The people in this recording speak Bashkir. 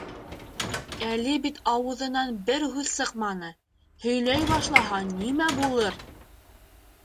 Әле бит ауыҙынан бер һүҙ сыҡманы, һөйләй башлаһа нимә булыр?!